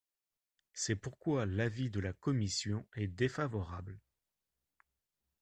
C’est pourquoi l’avis de la commission est défavorable.